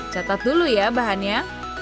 catat dulu ya bahannya